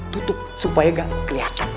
tutup supaya gak kelihatan